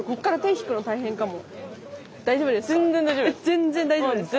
全然大丈夫ですか？